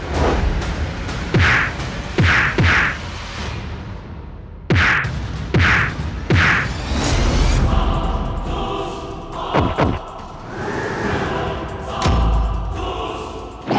ternyata itu tak ada